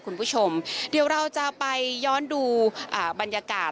คุณผู้ชมเดี๋ยวเราจะไปย้อนดูบรรยากาศ